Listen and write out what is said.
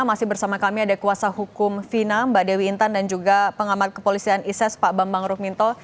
masih bersama kami ada kuasa hukum fina mbak dewi intan dan juga pengamat kepolisian ises pak bambang ruhminto